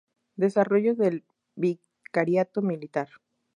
Desarrollo del Vicariato Militar.